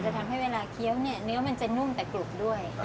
ทำให้เวลาเคี้ยวเนี่ยเนื้อมันจะนุ่มแต่กรุบด้วย